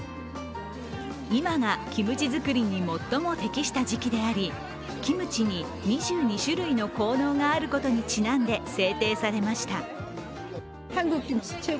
今がキムチ作りに最も適した時期であり、キムチに２２種類の効能があることにちなんで制定されました。